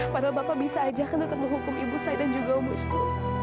padahal bapak bisa ajak tetap menghukum ibu saya dan juga om wisnu